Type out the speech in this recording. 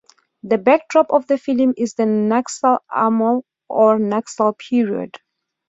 The backdrop of the film is the Naxal Amol or Naxal Period.